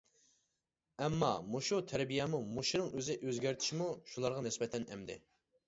ئەمما مۇشۇ تەربىيەمۇ، مۇشۇنىڭ ئۆزى ئۆزگەرتىشمۇ شۇلارغا نىسبەتەن ئەمدى.